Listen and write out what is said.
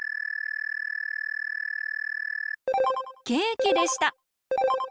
ケーキでした！